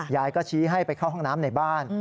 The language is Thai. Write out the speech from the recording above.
ยายก็ชี้ให้ไปเข้าห้องน้ำในบ้าน